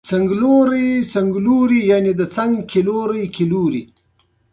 پراخ فکر د نوښت اساس جوړوي.